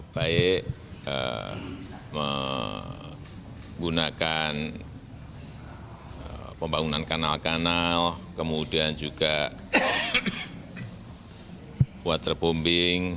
baik menggunakan pembangunan kanal kanal kemudian juga water bombing